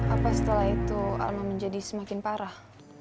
apa setelah itu alma menjadi semakin parah